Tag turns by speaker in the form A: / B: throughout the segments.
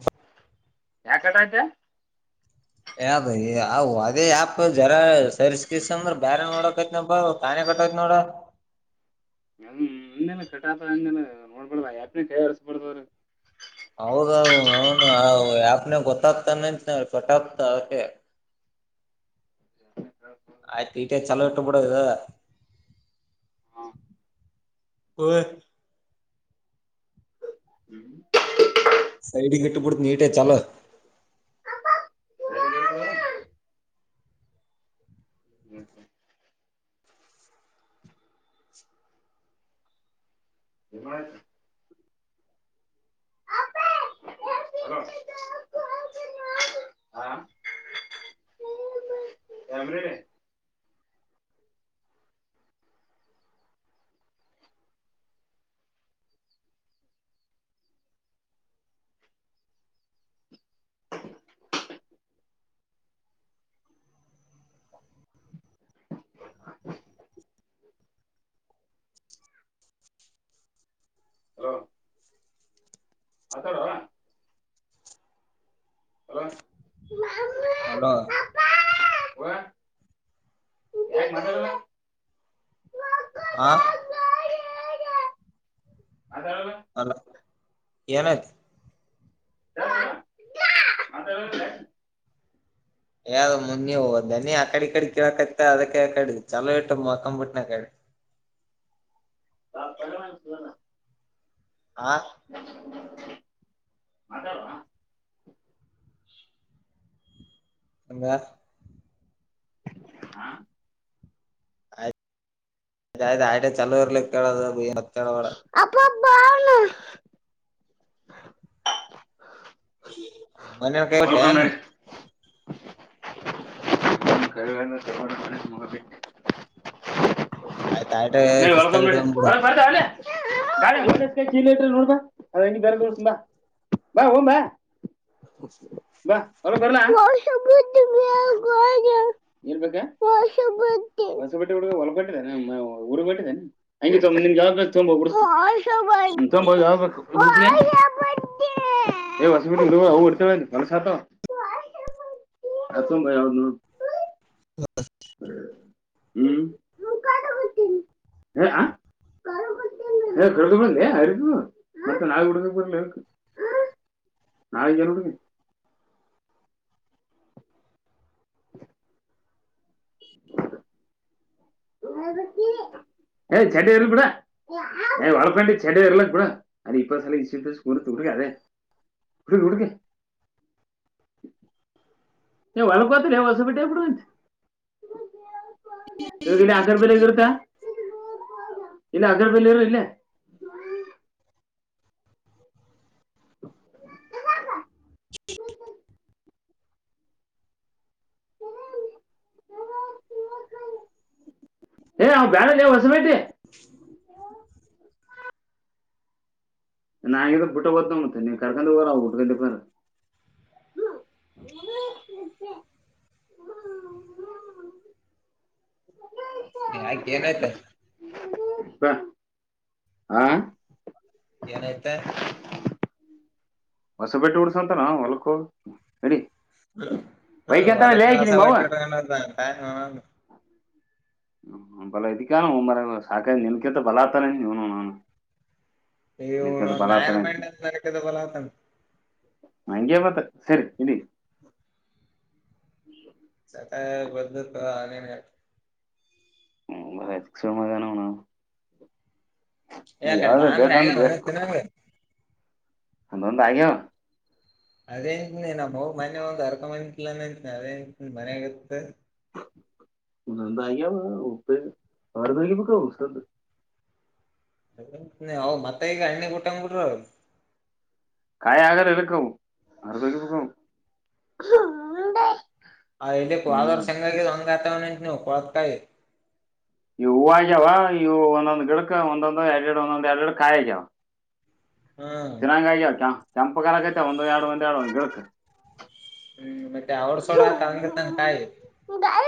A: ಹ
B: ಯಾ ಕಟಐತೆ
A: ಯದ ಅದೇ ಯಪ್ ಜರ ಸರ್ ಕಸ ಅಂದ್ರ ಬೇರೆ ನೋಡಕತ್ನಪ್ಪಾನ ಕೆಟ್ಟ ಇನೋಡ
B: ಹ್ಮ ಹೆ ಕಟಾತ ಹಂಗ ನೋಡ್ಬಡಲ್ಲ ಯ್ಯಾಪನ ಕೈ ಹರ್ಸ್ಬಾರಡ್ದವ್ರೀ
A: ಹೌದ ನ ಆನ ಗೊತ್ತತ ನ ಸಟಕತ ಹ ಆಯ್ತು ಇಟೇ ಚಲೋ ಇಟ್ಟು ಬಿಡದು
B: ಹ್ಮ್
A: ಸೈಡ್ಿಗೆ ಇಟ್ಟುಬುಡ ನೀಟೇ ಚಲ
B: ಹ್ಮ ಹ್ಮ್ ಹ್ಮ್ ಎ ಅ ಹಾ ಯರಮ್ರ ಹ ಆತಾರ ಹಲ
A: ಹಲೋ
B: ಯ ಮ
A: ಆ
B: ಮಾತಾಡಲ್ಲ
A: ಅಲ್ಲ ಏನಾಯತ
B: ಮಾತಾಡಲ್ಲ
A: ಯ್ದ ಮುನ್ನ ನೀವುನಿ ಆ ಕಡೆ ಕಡೆ ಕೇಳಕತ್ತ ಅದಕ್ಕೆ ಕಡೆ ಚಲೋ ಇಟ್ಟು ಮಕಂಬಿಟ್ಟನ ಕಡೆ ಹಾ
B: ಮಾತಾಡೋ
A: ಅ ಆಯ್ ಚಲ ಇರ್ಲಿಕ್ಕೆ ಕೇಳದ ಕೇಳ
B: ಬಾವಲ
A: ಮನೆ ಕೈವಟೆ
B: ಹೊಲ್ಕೊಂಡ್ ನಡಿ ತ ಮಬ
A: ಆಯ್ತ ಆಯ್ಟ
B: ನೀ ವಲ್ಕಮ
A: ಕಿಸ್ತಾಗ ಇಟ್ಕೊಂಡ್ಬಿಡು
B: ನಡಿತ ನಾಳೆ ಕಾಯಿ ಕ ಇಟ್ರ ನೋಡಬಾ ಅದ ಇನ ಬರೋಸ ಬಾ ಬಾ ಓ ಬಾ ಾ [unintelligible] [inaudible] ಹೊಸ ಬಟ್ಟೆ ಹುಡುಗ ಹೊಲ್ಗೊಂಡಿದ್ದೇನೆ ಊರು ಬಿಟ್ಟೇನೆ ನಿಮಂಬ [unintelligible]
A: [unintelligible]
B: ಎ ವಸ್ಪಟ ಅವ ಉಊತ ಹೊಲಸತ ಅತ್ತುಮ್ಮದು
A: ಹಾ
B: [unintelligible] [inaudible] ಹ ಕುಡದು ಬರ್ಲ ಅ ಮತ್ತೆ ನಾವು ಕುಡ ಬರ್ಲ ನಾಳ ಜರರಿ [unintelligible] ಅದಕ್ಕೆ ಚಡ ಬಿಡ ವಳಪಂಡಿ ಚೆಡ ಇರಲ್ಲಡ ಅ ಇ ಸಡ್ ಡಗೆ
A: [unintelligible]
B: ನೀ ಒಳ್ಕೋತರಿ ಹೊಸ ಬಿಟ್ಟಬಡುಂತ ಗಲ್ಲಿ ಆಕಾರಬಲ್ಲ ಗತ ಇಲ್ಲ ಅಗರ್ಬಲ್ಲಿರು ಇಲ್ಲ ಹ ಹ ಬ್ಯಾರೆ ಹೊಸಬೇಕತಿ [unintelligible] ನಾದ್ರ ಬಿುಟ್ಟ ಬದ್ತೋತೆ ನೀವ್ ಕರ್ಕೊಂಡ ಹೋಗರ ಅವ ಬಿಟ್ಕೊಂಡ ಬ್ರ
A: [unintelligible] ಆಯ್ಕ ಏನ್ ಆಯ್ತಾ
B: ಆಾ
A: ಏನಐತೆ
B: ಹೊಸಬಟ್ಟೆ ಹಡ್ಸಂತಾರ ಹೊಲ್ಕ್ ಹೋಗಿ ನಡಿ
A: ಹ್ಮ
B: ಬೈಕ್ ಅಂತಾನೆ
A: ವಳಕ
B: ಲೇ ಆಕಿ ನಿಮ್ಮ ಅವ್ವ
A: ಆಸೆವಟ
B: ಹ್ಮಂಬಲ ಇದಕ್ಕಾನ ಮರ ಸಾಕ ನನಕಂತ ಬಲತಾನ ನೀನು ನಾನು
A: ಇ
B: ನಿನ್ಕಿಂತ ಬಲ
A: ನರ
B: ಆತಾನೆ ಅಂತ
A: ಮಾರಕದ ಬಲಾವತ
B: ಹಂಗೆ ಮತ್ತ ಸರಿ ಇಡಿ
A: ಸತ ಬದಲು ಅ [unintelligible]
B: ಹ್ಮ ಬ ಸಮಗಾನಣ
A: ಅ ಕಡೆ ದಾಮ್ರ
B: ಬೇಕಂದ್ರೆ
A: ಮರು ನಂಗ
B: ಅಂದೊ
A: ಅದೇಂತನಿ ನಮ್ಮ ಹೋಗ್ ಮನೆ ಹೋಗಿ ಅರ್ಕೊಂಬಂತಲ ಅಂತನಿ ಅದೇಂತ ಮನ್ಯಾಗತ್ತ
B: ಉ ಸಂದ ಆಯ ಉತ್ತೆ ಬಾರಮಿಗೆ ಪಕಾ ಸಂದ
A: ಮತ್ತೆ ಈಗ ಅಣ್ಣೆ ಕುಟ್ಟಂಗ್ ಬಿಡ್ರ
B: ಕಾಯ್ ಆಗರ ಎದಕ್ ಅವು [unintelligible]
A: ಹ ಇಲ್ಲಿ ಕ ಹೋದ ವರ್ಷ್ ಹೆಂಗ ಆಗಿದೆ ಹಂಗ ಅಥವಾ ಕೊಳದಕಾಯಿ
B: ಇವು ಹೂವ ಆಗೇವಾ ಇವು ಒಂದೊಂದ್ ಗಿಡಕ್ ಒಂದೊಂದ ಎರಡ್ ಎರಡ್ ಒಂದೊಂದ್ ಎರಡ್ ಎರಡ್ ಕಾಯ ಆಗೇವಾ
A: ಹ್ಮ್
B: ತಿಂನ್ನಗ ಆಗ್ಯಾವ ಕೆಂಪಗಾರಕೈತೆ ಒಂದ್ ಎರಡು ಒಂದ್ ಎರಡು ಒಂದ್ ಗಿಡಕ್
A: ಹ್ಮ್ ಮತ್ತೆ ಅವ್ರ ಸೋಡ ಆತ ಹಂಗತ್ತನ್ ಕಾಯಿ
B: ಹ್ಮ್ಮ ಗಾಯ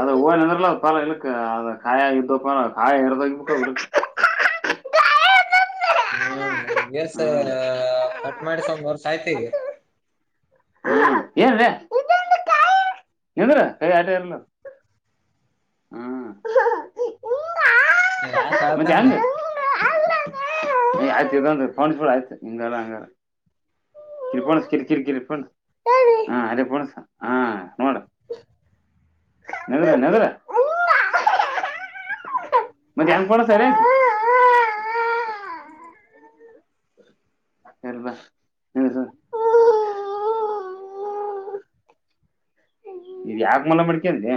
B: ಅದ ಹಓವನ್ಂದ್ರಲ್ಲ ಪಾಲ ಇಳಕ್ ಅದ ಕಾಯ ಇದ್ದ ಪಾಲ ಕಾಯಿ ಎರದೋಗ ಬಿೂಡ ಇಳಕ್
A: [inaudible] ಹ್ಮ ಇ ಎಸ್ ಐ
B: ಹ್ಮ್
A: ಕಟ್ ಮಾಡಿಸ ಒಂದ್ ವರ್ಷ ಆಯ್ತ ಈಗ
B: ಏನ್ ನಿಂದರ ಕೈ ಆಟೇ ಇರಲ್ಲ ಅದು
A: ಯಾಕ ಅಳತಾನ್ ಅಲ್ಲ
B: ನೀ ಆಯ್ತು ಇದಂದ ಪ ಫುಳ ಆಯ್ತು ಹಂಗಲ್ಲ ಹಂಗಾರ ಕಿರಿಪಣ ಕಿರಿ ಕಿರಿ ಕಿರಿಪ ಹಾ ಅರೆೇ ಫೋನ್ ಇಸಗೋ ಹಾ ನೋಡ ನಿಂದರ್ ನಿಂದರ್ ಮತ್ತೆಯಾನ್ ಕೊಡಸಾರೆ ಅಲ್ವಾಸ [unintelligible] ಇ ಯಾಕ ಮಲ ಮಡಿಕೇಡಿ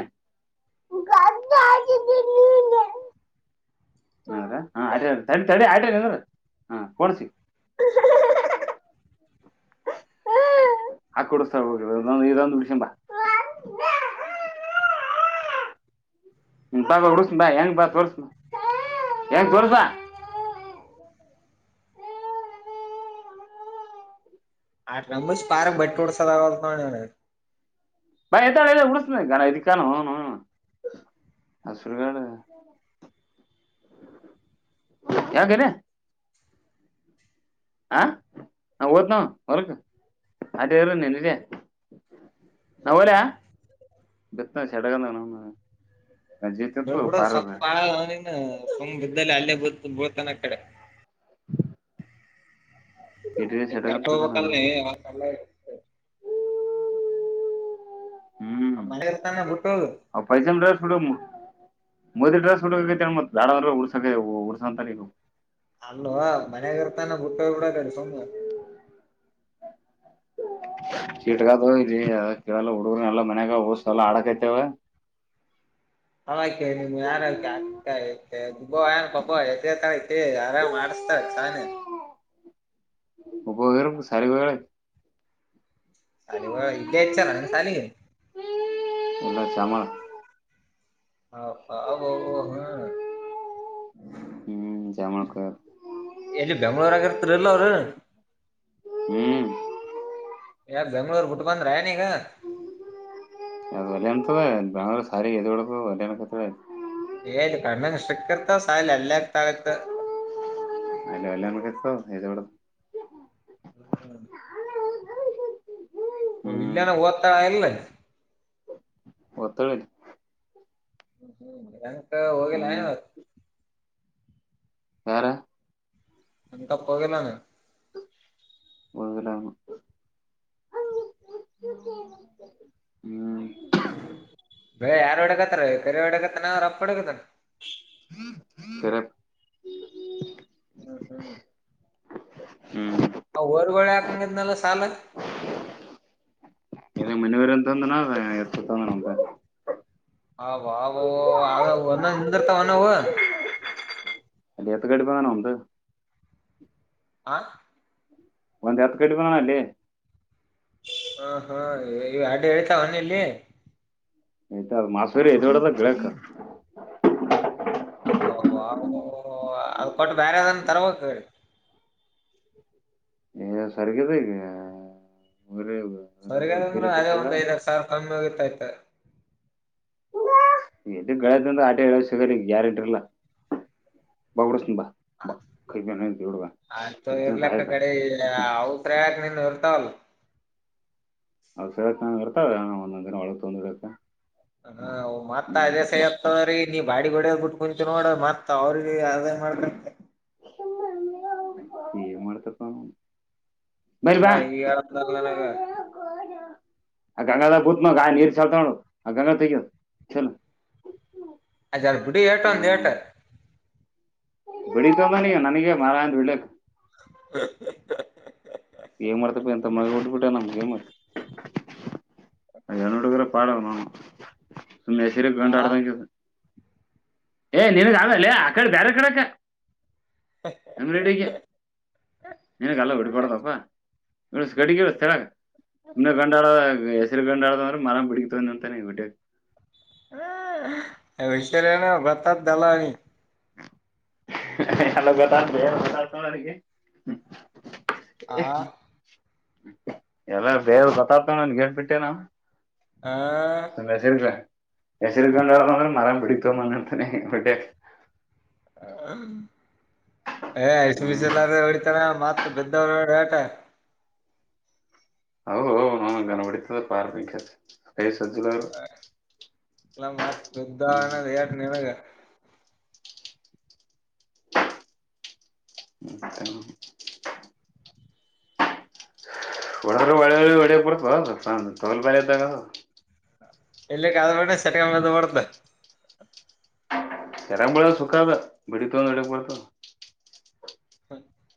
B: ಘಟ್ಟ ಹಾಕಿದಿ ನೀನು ಹ ಹ ಆ ತಡೆ ಆಟೇ ನಿಂದರ ಹ ಕಡ್ಸಿ
A: [inaudible]
B: ಹಾ ಕೊಡಸ್ತ ಹೋಗ ಇದೊಂದು ಉನಸಾಕೊಂಬ ಪಾ ಉರುಷ ಬಾ ಹೆಂಗ ಬಾ ತೋರ್ರಿಸ ಹೆಂಗ ತೋರ್ಸಾ
A: ಆಟ ರಂಬಸ್ ಪಾರ ಬಟ್ಟು ಡ ಸದ
B: ಬ ಎತ ಇ ಉಡಸ ಕಾನ ಇದು ಕಾನ ಹನು ಹಸುರಗಡ ಯಾಕ ಲೇ ಹ ನ ಓತ್ನಾವ್ ಹೊರಕ್ ಅರ ನನ್ನಯ ನಾ ಹೊಲೆ ಬಿತ್ತ್ ನೋಡ ಶ್ಯಾಟದ
A: ಬೆಳ್ ಬಿಡ ಸ ಬಾಳನ್ ಸುಮ್ ಬಿದ್ದಲ್ಲಿ ಅಲ್ಲೇ ಬಳತಾನ ಕಡೆ
B: ಇಡ್ರಿ
A: ಕರೆಕ್ಟ್
B: ಸೆಡಗಂತದ ನಾನು
A: ಹೋಗಬೇಕಲ್ಲ
B: ಹ್ಮ್
A: ಮನೆಗ ಇರ್ತಾನ ಬಿಟ್ಟ ಹೋಗು
B: ಹ ಪೈಸ ಮಡ ೋಡ ಮೋದಿ ಡ್ರೆಸ್ ಹುಡಕಾಕತ್ತಿ ಮ ದಾಡ ಉಸಕ ಉಡ್ಸಂತ ನೀವು
A: ಅಲ್ವಾ ಮನಯಾಗ ಇರ್ತಾನೆ ಬಿುಟ್ಟ ಹೋಗ್ ಬಿಡದ್ರ ಸುಮ
B: ಕಿಟ್ಕಾದ ಇರಿಲ್ಲ ಹುಡುಗರು ಎಲ್ಲ ಮನ್ಯಾಗ ಹೋಗಸ ಎಲ್ಲ ಆಡ ಕತ್ತೆವ
A: [unintelligible] ಏ ಆರಾಮ್ ಮಾಡಸ್ತಾ ಚಾನೆ
B: ಹಬೋಗರ ಸರಿಗಳ
A: ಸಾಲಿಗ ಹೋಗ ಇಲ್ಲ ಹಚ್ಚಾರ ಸಾಲಿಗೆ
B: ಎಲ್ಲಾ ಚಾಮ
A: ಅಬ್ಬಬ್ಬಾ ಹ ಹ ಹ್ಮ
B: ಹ್ಮ್ ಜಾಮಳಕ
A: ಯಮನಾಗಿ, ಇರ್ತಾರಲ, ಅವರು. [inaudible]
B: ಹ್ಮ್
A: ಯ ಬೆಂಗಳೂರು ಬಿಟ್ ಬಂದ್ರ ಈಗ
B: ಅದು ಒಲೆ ಅತವೆ್ರ ಸ ಎಡಬೇಕ ಒಳ್ಳಕತವೆ
A: ಹೇಳಏ ಕಣ್ಣಷ್ಟಕ್ಕರ್ತ ಸಾಯಲ ಎಲ್ಲತಗತ್ತ
B: ಅಲ್ಲ ಎಲ್ಲ ನಮ ಎತ್ತ
A: ಹ್ಮ್
B: ಹ್ಮ್
A: ಇಲ್ಲೆನ ಓದತಾಳನ್ ಇಲ್ಲ
B: ಹೋಗಿ ತೊಳಿಯಲಿ. [inaudible]
A: ಹ್ಮ, ಹ್ಮ್, ಏನಕ್ಕ ಹೋಗಿಲ್ಲ.
B: ಹ್ಮ್
A: [unintelligible]
B: ಯಾರ
A: ನನ್ ತಪ್ ಹೋಗಿಲ್ಲ ಅಣ್ಣ. [inaudible]
B: ಓದಿಲ್ಲ ಅವನು ಹ್ಮ್
A: [unintelligible] [inaudible] ರಿ, ಯಾರು, ಹೊಡೆಕರ್ತರು, ಕರಿಯ, ಒಡೆಯ ಕರ್ತನ, ಅವರಪ್ಪ ಹೊಡೆಕರ್ತನ.? [inaudible]
B: ಸರಿ
A: ಹ್ಮ್, ಹ್ಮ್. [inaudible]
B: ಹ್ಮ್
A: ಹಾ, ಹೋದ ವಾರ ಯಾಕು, ಹಂಗಿದ್ದನು, ಸಾಲ. [inaudible]
B: ಈತಾಂಧನ, ಹೇತುತಣ್ಣಾ. [inaudible]
A: ಹಾವು ಹಾವೊವೊ, ಒಂದು ನಿಂತಿರುತ್ತಾನವ, ಅವು. [inaudible]
B: ಎತ್ತು ಗಾಡಿ ತಾನೆ ಅವನ್ದು. [inaudible]
A: ಆ. [inaudible]
B: ಒಂದ್, ಹತುಗಡ್ಡಿ, ಅಲ್ಲಿ. [inaudible]
A: ಹಾ, ಹಾ, ಅಡ್ಡಿ, ಹೇಳ್ತ, ಇವನಲ್ಲಿ. [inaudible]
B: ಆ ಮಾಡ್ಸಿಬಿಡಿ, ಗಿಡಕ್ಕ. [unintelligible]
A: ಅವು, ಅವ್ವೂ, ಅದ್, ಕೊಟ್ಟು ಬೇರೆದನ್ ತರ್ಬೇಕು, ಹೇಳಿ? [inaudible]
B: ಏನ್ಸವರ್ಗಿದ್ಯಾ. [inaudible]
A: ಸರ್ಗದಂದ್ರೆ, ಅದೇ! ಒಂದು, ಐದ್ ಸಾವಿರ ಕಮ್ಮಿ, ಹೋಗತೈತೆ. [inaudible]
B: ಇನ್ನು ಗಾಡಿಯಲ್ಲಿ ಹಾಡು ಹೇಳಕ್ಕೆ ಸರಿ ಹೇಳ ಸಿಗರಿ, ಯಾರಟ್ರಲ್ಲ ಬಗಡಸ್ನ ಬಾ. [inaudible] ಕೈದಿನೆ. [inaudible]
A: ಆಯ್ತ, ಇರ್ಲಕ್ಕ! ಕಡೆ,
B: ಇರ್ತೀನಿ
A: ಔತ್ರಯಕ, ನೋಡ್ತಾ ವಲ್ಲ. [inaudible]
B: ಔಟ್ಸೈಡ್, ಇರ್ತಾವ! ಒಂದೊಂದು, ದಿನ ಒಳಗ್, ತೊಂದರೆಯಾಗ. [inaudible]
A: ಹ, ಮತ್ತೆ, ಅದೇ, ಸೈಹೇತುತತೆರಿ. [inaudible] ಹೊಡದ್ಬ, ಬಿಟ್ಟು, ಕುಂತುಕೊಂಡು, ಮತ್ತತ್ ಅವ್ರಿಗೆ, ಅದೇ ಮಾಡ್ಬೇಕ. [inaudible]
B: ಸುಮ್ನೆ, ಏನುವಾದರೂ, ಏನ್, ಮಾಡ ಕರ್ತನು. [inaudible]
A: ಅವಳಾ, ಈಗಾ ಕಾಲಲ್ಲನಕ್ಕ. [inaudible]
B: ಆ, ಗಂಗಾದ, ಹುಡುಕಾನೋ, ಗಾಯ, ನೀರ ಚಲ್ತಾನ್ ನೋಡು, ಆ ಗಂಗಾಧರ್ ಕೈ, ತೆಗೆದೆ ನೋಡು. [inaudible]
A: ಅದು, ಎರಡು, ಬಿಡಿ, ಹೆಟ್ಟು, ಒಂದೇಟು. [inaudible]
B: ಇಂಡಿ ತಂದಾನಿ,, ನನಗೆ ಮಾರ, ಅಂತ, ವಿಡಿಯೋಕೂ. [inaudible]
A: ಹ, ಹಾಆ. [unintelligible]
B: ಊಟ, ನಮಗೆ, ಏನ್ ಮಾಡ್ತಿ, ಏನ್ ಹುಡುಗರಪ್ಪ. [unintelligible] ಸುಮ್ನೆ, ಹೆಸರಿಗೆ
A: ಆ
B: ಗಂಡು, ಹೊಡ್ದಂಗೆ, ನಿನಗೆ ಆಮೇಲೆ ಬೇರೆ ಕಡೆಗೆಕೆ. [inaudible] ನಂಗೆ ಡಿಕೆ. ಅದೆಲ್ಲನೆಲ, ಬಿಡಬಾರದಪ್ಪ. [inaudible] ಏನ್ ಸ್ಟಡಿ, ಅವರ್ಸ, ಸುಮ್ನೆ, ಗಂಡಾಳು, ಹಾ. [inaudible] ಅಡಂದ್ರೆ, ಮರ, ಪಿಡಗಿತ, ಅಂತಾನೆ, ವಿಡಿಯೋಗ. [inaudible]
A: ಹೇ, ಇಷ್ಟು ಹೇಳಿದ್ನಲ್ಲ ಬರ್ತೀನಿ, ತಾಕೋಳಿ. [inaudible]
B: ಹಲ್ಲೋ, ಗೊತ್ತಾಯ್ತು, ನೋಡಿ ಹೋಗಿ. [unintelligible]
A: ಹಾ. [inaudible]
B: ಎಲ್ಲ, ಬೇರೆ ಗೊತ್ತಾಗ್ತೊಂಡನ್ಗೆ! ಹೇಳ್ಬಿಟ್ಟೆನಾ. [inaudible]
A: ಆ
B: ಮೆಸೇಜ. [inaudible] ಮೆಸೇಜ್ ಇಟ್ಕೊಂಡು, ಅವರಿ, ನೋಡಿ, ನಾನು, ಇಟ್ಕೊಂಡವ್ನೆ, ಬೊಡಿಯಕ್ಕಾ. [inaudible]
A: ಎ, ಆಸ್ಟುಬಿಸಿ,
B: ಹ್ಮ್
A: ಎಲ್ಲರಿ, ಒಡಿತಾರೆ? [unintelligible] ಮತ್ತ ಬಿದ್ದವರು ನೋಡಿಹೆಟ್ಟು. [inaudible]
B: ಹ, ಹ,, ಗನ ಹೊಡಿತದ, ಪಾರುಮಿಕ್ಕ, ಹೇ. [unintelligible]
A: ಹ, ಎಲ್ಲ ಮತ್ ಬಿದ್ದ, ಹೆಟ್ಟು, ನಿನಗೆ. [inaudible]
B: ಮತ್ತೇನು. [unintelligible] ಒಡರು, ಒ, ಒಡರು, ಹೊಡೆಯಕ್ಕೆ, ಬರುತ್ತಾ. ಕಾಲುಬಾಡಿಯ್ತವು. [unintelligible]
A: ಇಲ್ಲಿ, ನಾಗರಹೊಳೆ, ಸೆಟ್ನಗಿ, ಬಿಧುಬಿಡುತ್ತು. [inaudible]
B: ಕೆರಂಗ್, ಬಳ್ಳಿ, ಸುಖ, ಅದು, ಬಿಡಿತಂದು, ಮಾಡಿಕೋ. [inaudible]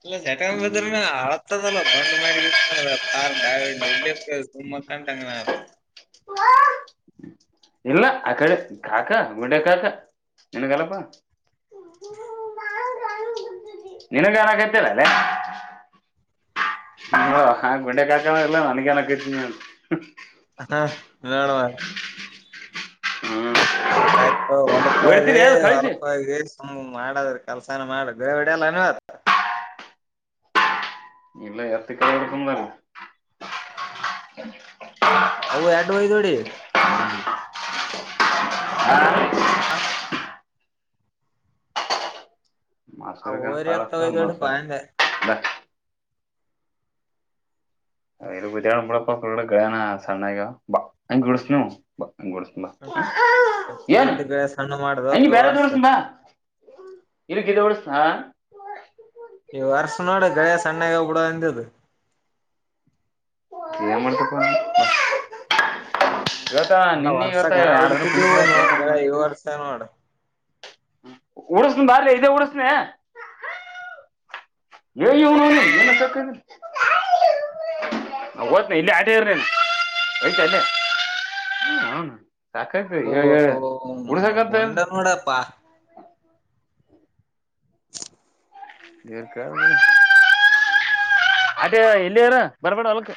A: ಇಲ್ಲ, ಸಟನ್, ಬದಲ, ಹೋಗುತ್ತಾದಲ್ಲ. [unintelligible] ಬಂಡು [unintelligible] [unintelligible]
B: ಇಲ್ಲ ಆ ಕಡೆ ಕಾಕಾ ಮುಂಡೆ ಕಾಕಾ ನಿನ್ಗಲ್ಲಪ್ಪ
A: [inaudible]
B: ನಿನಗ [unintelligible] ಲ್ಲೇ ಹ ಹ ಗುಂಡೆ ಕಾಕ ಎಲ್ಲ ನನಗಾನ [unintelligible]
A: [unintelligible]
B: ಹ್ಮ್
A: ಆಯ್ತಾಯಯ್ತು ಹೊಲ್ಪ್ರೀ
B: ಹೊಡಿತೀರಿ ಅದು ಕಳಿಸಿ
A: [unintelligible] ಮಾಡದ್ರೆ ಕೆಲ್ಸನ ಮಾಡ [unintelligible]
B: ಇಲ್ಲ ಎತ್ತ [unintelligible]
A: ಹೌ [unintelligible]
B: [unintelligible]
A: [unintelligible] ಅವ್ ಹೋರಿ ಎತ್ತ ಒಯ್ದೊಡಿಪಾ ಅಂದೆ
B: [unintelligible] [unintelligible] [unintelligible] ಎನ್
A: ಜಲ್ದಿ ಗಳೆ ಸಣ್ಣ
B: ಅಂಗಿ
A: ಮಾಡ್ದೋಪ
B: ಬೇರೆದ್
A: ವರ್ಷ
B: ಉಡ್ಸ್ಥಿನಿ ಬಾ. [unintelligible] ಹಾ
A: ಈ ವರ್ಷ ನೋಡು ಬೆಳೆ ಸಣ್ಣಾಗ್ಬಿಡುವ ಅಂದಿದ್.
B: [unintelligible] ಇವತ್ತ
A: ಅಲ್ಲ
B: ನಿನ್ನ
A: ವರ್ಷ
B: ಇವತ್ತ
A: ಘನ
B: ಯಡಾದ್ರು
A: ಹೊಡಿತಿದ್ದೆವು ನೋಡ ಗಳೆ ಈ
B: [unintelligible]
A: ವರ್ಷ ನೋಡ
B: ಉಡುಸನ ಬಾರಲಿ ಇದೇ ಉಡುಸ್ತಿನ್ [unintelligible] [unintelligible] [inaudible] ಸಾಕತ್ ಏ
A: ಓ
B: ಹೇಳಿ ಹೇಳ
A: ತೋ
B: ಉಡಸಕತ್ತಿಲ್ಲ
A: ಬೊಂಡ ನೋಡಪ್ಪಾ
B: [inaudible] ಅದೇ ಎಲ್ಲಿರ್ ಬರ್ಬೇಡ ಅಲ್ಕ್